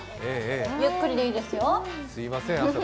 ゆっくりでいいですよ。